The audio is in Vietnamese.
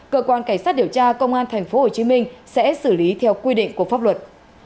cơ quan cảnh sát điều tra công an tp hcm sẽ xử lý theo quy định của pháp luật